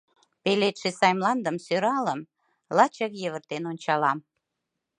Пеледше сай мландым, сӧралым, Лачак йывыртен ончалам.